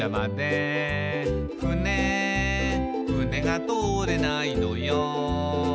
「ふねふねが通れないのよ」